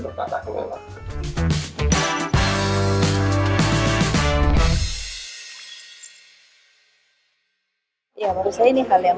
budaya kerja ketiga ya